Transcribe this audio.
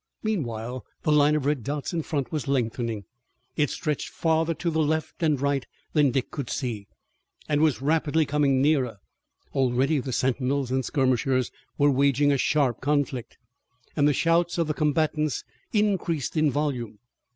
Meanwhile the line of red dots in front was lengthening. It stretched farther to left and right than Dick could see, and was rapidly coming nearer. Already the sentinels and skirmishers were waging a sharp conflict, and the shouts of the combatants increased in volume.